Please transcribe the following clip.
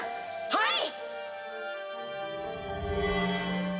はい！